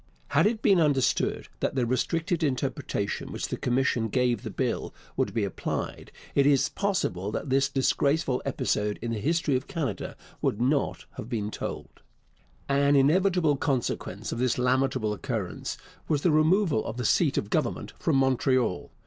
Had it been understood that the restricted interpretation which the commission gave the Bill would be applied, it is possible that this disgraceful episode in the history of Canada would not have to be told. An inevitable consequence of this lamentable occurrence was the removal of the seat of government from Montreal.